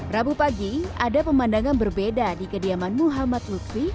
rabu pagi ada pemandangan berbeda di kediaman muhammad lutfi